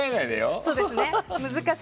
そうですね。